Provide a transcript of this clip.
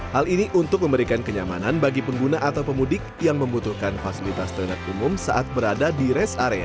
hal ini untuk memberikan kenyamanan bagi pengguna atau pemudik yang membutuhkan fasilitas terhadap umum saat berada di rest area